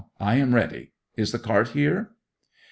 I am ready. Is the cart here?